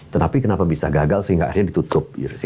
tetapi kenapa bisa gagal sehingga akhirnya ditutup